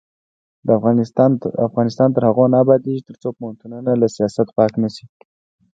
افغانستان تر هغو نه ابادیږي، ترڅو پوهنتونونه له سیاست پاک نشي.